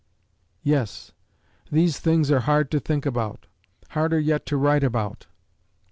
Yes, these things are hard to think about harder yet to write about!